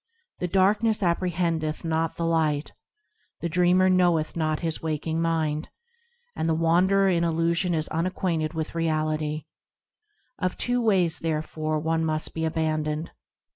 The darkness apprehendeth not the Light ; The dreamer knoweth not his waking mind ; And the wanderer in illusion is unacquainted with Reality ; Of two ways, therefore, one must be abandoned.